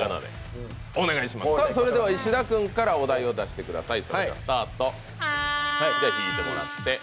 それでは石田君からお題を出してください。